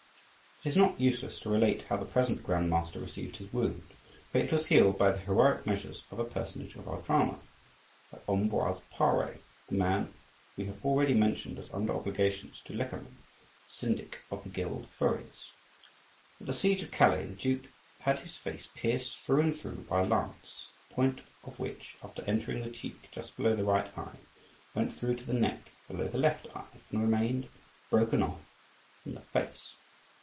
It is not useless to relate how the present Grand Master received his wound; for it was healed by the heroic measures of a personage of our drama,—by Ambroise Pare, the man we have already mentioned as under obligations to Lecamus, syndic of the guild of furriers. At the siege of Calais the duke had his face pierced through and through by a lance, the point of which, after entering the cheek just below the right eye, went through to the neck, below the left eye, and remained, broken off, in the face.